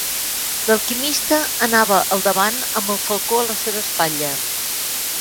L'alquimista anava al davant, amb el falcó a la seva espatlla.